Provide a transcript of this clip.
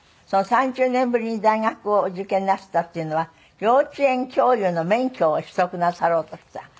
３０年ぶりに大学を受験なすったっていうのは幼稚園教諭の免許を取得なさろうとした。